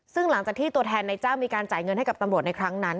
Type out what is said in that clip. ซึ่งหลังจากที่ตัวแทนนายจ้างมีการจ่ายเงินให้กับตำรวจในครั้งนั้น